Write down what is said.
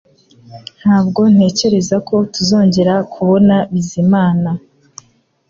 Ntabwo ntekereza ko tuzongera kubona Bizimana